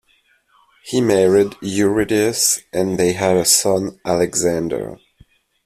He married Eurydice and they had a son Alexander.